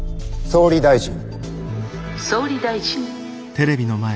「総理大臣」。